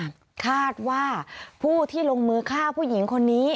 คาดว่าผู้ที่ลงมือฆ่าผู้หญิงคนนี้